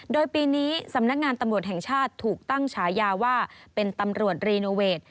โดยปีนี้สำนักงานตำรวจแห่งชาติถูกตั้งฉายาว่าเป็นตำรวจรีโนเวท